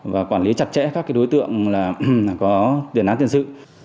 và quản lý chặt chẽ các đối tượng có tiền án tiền sự